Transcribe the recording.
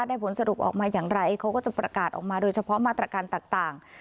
ผลสรุปออกมาอย่างไรเขาก็จะประกาศออกมาโดยเฉพาะมาตรการต่าง